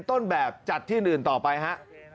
ต้นแบบจัดที่อื่นต่อไปฮะ